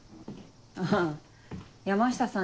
あぁ山下さん